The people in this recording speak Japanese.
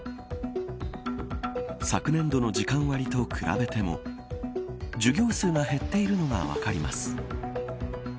昨年度の時間割と比べても授業数が減っているのが分かります。